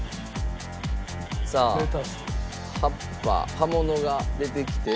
さあ葉っぱ葉物が出てきて。